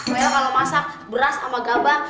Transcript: wala kalau masak beras sama gabah